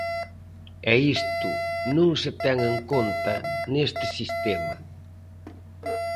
E isto non se ten en conta neste sistema.